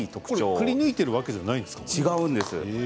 くりぬいているわけじゃないんですね。